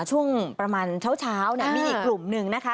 ช่วงประมาณเช้ามีอีกกลุ่มหนึ่งนะคะ